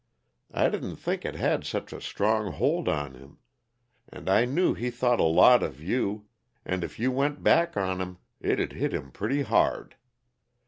I didn't think it had such a strong hold on him. And I knew he thought a lot of you, and if you went back on him it'd hit him pretty hard.